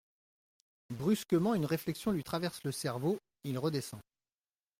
Brusquement une réflexion lui traverse le cerveau, il redescend.